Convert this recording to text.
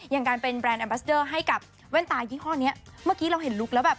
อย่างการเป็นแบรนดแอมบัสเดอร์ให้กับแว่นตายี่ห้อนี้เมื่อกี้เราเห็นลุคแล้วแบบ